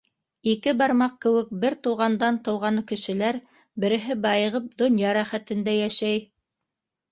Ике бармаҡ кеүек бер туғандан тыуған кешеләр, береһе байығып донъя рәхәтендә йәшәй.